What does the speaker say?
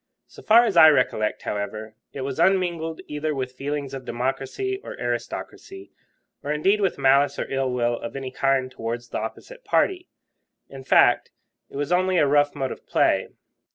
So far as I recollect, however, it was unmingled either with feelings of democracy or aristocracy, or indeed with malice or ill will of any kind towards the opposite party. In fact, it was only a rough mode of play.